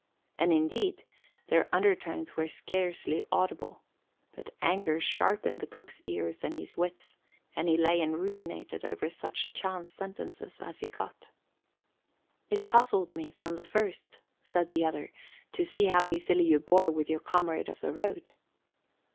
And indeed, their undertones were scarcely audible; but anger sharpened the cook's ears and his wits, and he lay and ruminated over such chance sentences as he got. "It puzzled me from the first," said the other, "to see how easily you bore with your comrade of the road."